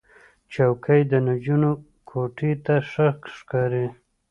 چوکۍ د نجونو کوټې ته ښه ښکاري.